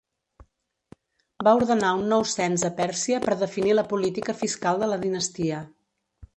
Va ordenar un nou cens a Pèrsia per definir la política fiscal de la Dinastia.